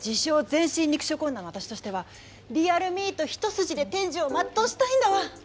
「全身肉食女」の私としてはリアルミート一筋で天寿を全うしたいんだわ。